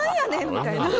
みたいな。